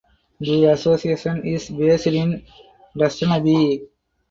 The association is based in Dushanbe.